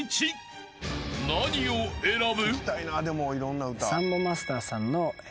［何を選ぶ？］